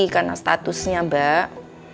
karena statusnya mbak